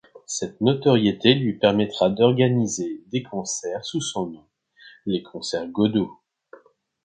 Cette notoriété lui permettra d'organiser des concerts sous son nom, les Concerts Godeau.